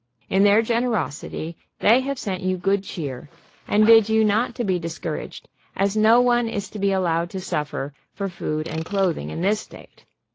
In their generosity they have sent you good cheer, and bid you not to be dis couraged, as no one is to be allowed to suffer for food and clothing in this state.